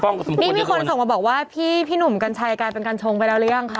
นี่มีคนส่งมาบอกว่าพี่หนุ่มกัญชัยกลายเป็นกัญชงไปแล้วหรือยังคะ